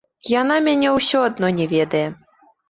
Яна мяне ўсё адно не ведае.